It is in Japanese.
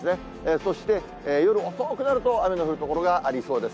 そして、夜遅くなると雨の降る所がありそうです。